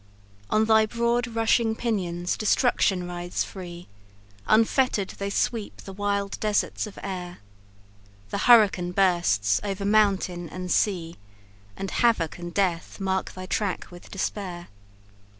"On thy broad rushing pinions destruction rides free, Unfettered they sweep the wide deserts of air; The hurricane bursts over mountain and sea, And havoc and death mark thy track with despair.